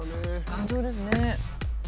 頑丈ですね。